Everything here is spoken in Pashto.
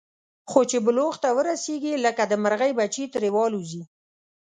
خو چې بلوغ ته ورسېږي، لکه د مرغۍ بچي ترې والوځي.